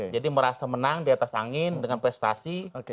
jadi merasa menang di atas angin dengan prestasi